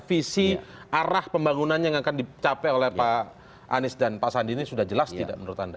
visi arah pembangunan yang akan dicapai oleh pak anies dan pak sandi ini sudah jelas tidak menurut anda